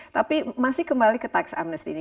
tapi masih kembali ke tax amnesty ini